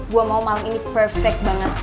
gue mau malam ini perfect banget